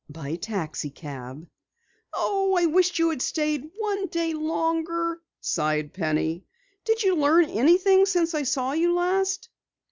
"By taxicab." "Oh, I wish you had stayed one day longer," sighed Penny. "Did you learn anything since I saw you last?"